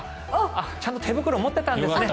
ちゃんと手袋持っていたんですね